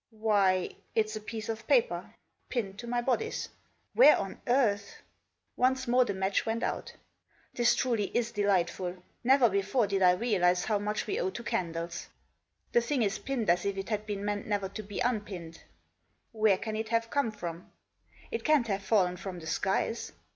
" Why it's a piece of paper—— pinned to my bodice ! Where on earth !" Once more the match went out. w This truly is delightful. Never before did I realise how much we owe to candles. The thing is pinned as if it had been meant never to be unpinned. Where can it have come from > It can't have fallen from the skies.